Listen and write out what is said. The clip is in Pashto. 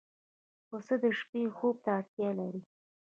پسه د شپې خوب ته اړتیا لري.